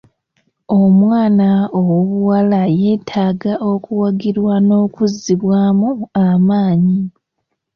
Omwana ow'obuwala yetaaga okuwagirwa nokuzibwamu amaanyi.